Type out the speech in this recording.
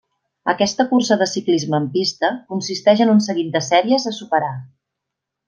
Aquesta cursa de ciclisme en pista consisteix en un seguit de sèries a superar.